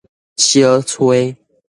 小吹